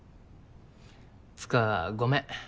つかごめん。